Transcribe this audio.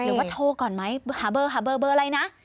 หรือว่าโทรก่อนไหมหาเบอร์อะไรนะ